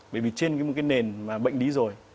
bởi vì trên cái nền mà bệnh lý rồi